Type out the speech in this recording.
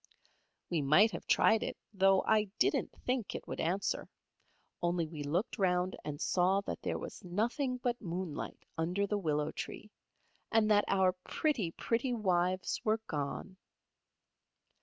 We might have tried it, though I didn't think it would answer; only we looked round and saw that there was nothing but moonlight under the willow tree, and that our pretty, pretty wives were gone.